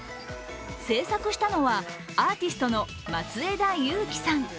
製作したのは、アーティストの松枝悠希さん。